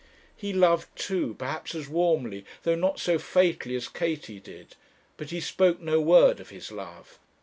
He loved too, perhaps as warmly, though not so fatally as Katie did; but he spoke no word of his love.